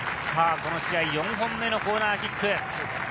この試合、４本目のコーナーキック。